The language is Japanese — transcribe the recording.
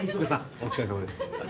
お疲れさまです